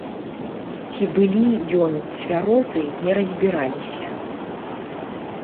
Ці былі ён цвярозы, не разбіраліся.